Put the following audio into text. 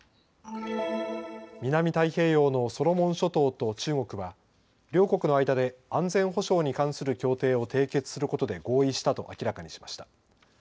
南太平洋のソロモン諸島と中国は両国の間で安全保障に関する協定を締結することで合意したと明らかにしました。